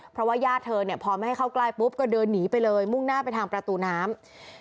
เพราะว่าญาติเธอเนี่ยพอไม่ให้เข้าใกล้ปุ๊บก็เดินหนีไปเลยมุ่งหน้าไปทางประตูน้ำ